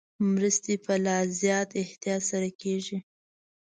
مرستې په لا زیات احتیاط سره کېږي.